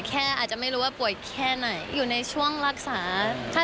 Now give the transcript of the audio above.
อาจจะไม่รู้ว่าป่วยแค่ไหนอยู่ในช่วงรักษาถ้า